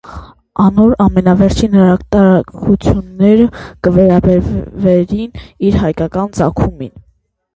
Անոր ամենավերջին հրատարակութիւնները կը վերաբերին իր հայկական ծագումին։